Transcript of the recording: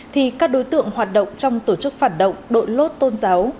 thì các đối tượng hoạt động trong tổ chức phản động đội lốt tôn giáo